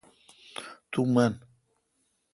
تو من